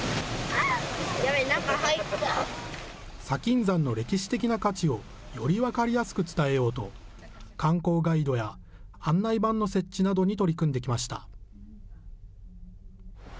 砂金山の歴史的な価値をより分かりやすく伝えようと、観光ガイドや案内板の設置などに取り組んできました。